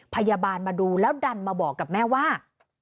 พยาบาลมาดูแล้วดันมาบอกกับแม่ว่า